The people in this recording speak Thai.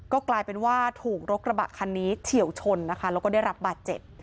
ก็กลายเป็นว่าถูกรถกระบะคันนี้เฉียวชนนะคะแล้วก็ได้รับบาดเจ็บ